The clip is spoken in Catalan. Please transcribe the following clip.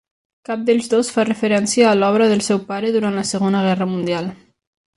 Cap d'ells dos fa referència a l'obra del seu pare durant la segona guerra mundial.